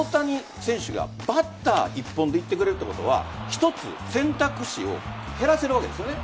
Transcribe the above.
大谷選手がバッター一本でいってくれるということは一つ、選択肢を減らせるわけですよね。